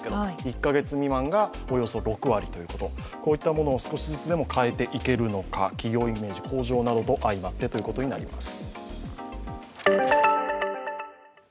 こういったものを少しずつでも変えていけるのか、企業イメージ向上などと相まってということになります。